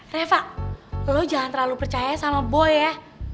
reva lo jangan terlalu percaya sama boy ya